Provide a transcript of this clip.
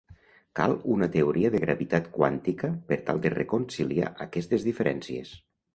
Cal una teoria de gravitat quàntica per tal de reconciliar aquestes diferències.